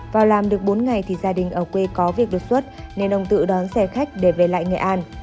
vào làm được bốn ngày thì gia đình ở quê có việc đột xuất nên ông tự đón xe khách để về lại nghệ an